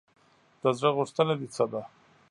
د زړه غوښتنه دې څه ده ؟